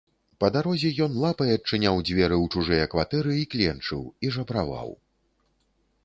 Па дарозе ён лапай адчыняў дзверы ў чужыя кватэры і кленчыў і жабраваў.